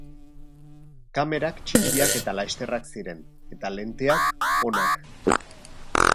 Kamerak txikiak eta lasterrak ziren, eta lenteak onak.